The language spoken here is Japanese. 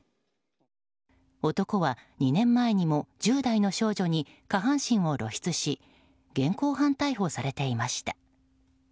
男は２年前にも１０代の少女に下半身を露出し現行犯逮捕されていました。